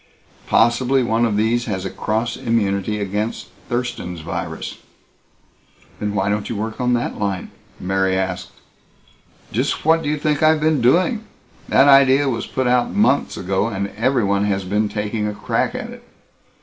Possibly one of these has a cross immunity against Thurston's virus." "Then why don't you work on that line?" Mary asked. "Just what do you think I've been doing? That idea was put out months ago, and everyone has been taking a crack at it.